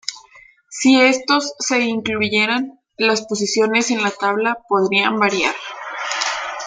Si estos se incluyeran, las posiciones en la tabla podrían variar.